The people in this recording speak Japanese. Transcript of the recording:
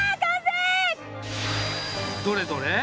どれどれ